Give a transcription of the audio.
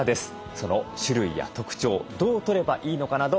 その種類や特徴どうとればいいのかなど見てまいります。